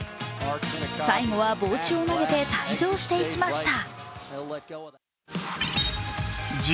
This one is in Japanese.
最後は帽子を投げて退場していきました。